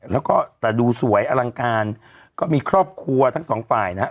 แล้วก็แต่ดูสวยอลังการก็มีครอบครัวทั้งสองฝ่ายนะครับ